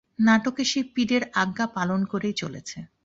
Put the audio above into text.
নাটকে সে পীরের আজ্ঞা পালন করেই চলেছে।